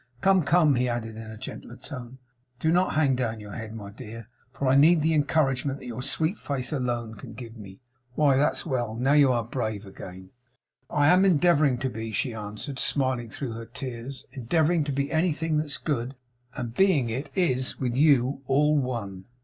Come, come,' he added, in a gentler tone, 'do not hang down your head, my dear, for I need the encouragement that your sweet face alone can give me. Why, that's well! Now you are brave again.' 'I am endeavouring to be,' she answered, smiling through her tears. 'Endeavouring to be anything that's good, and being it, is, with you, all one.